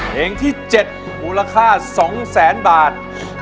เพลงที่๗มูลค่า๒แสนบาท